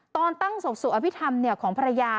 ตอนตั้งศพสู่อภิษฐรรมของภรรยา